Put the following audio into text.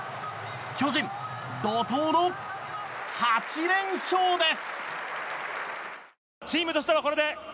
巨人、怒涛の８連勝です！